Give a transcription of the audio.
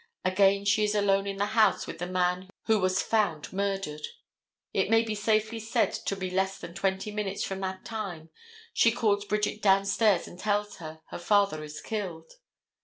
Again she is alone in the house with the man who was found murdered. It may be safely said to be less than twenty minutes from that time she calls Bridget down stairs and tells her that her father is killed.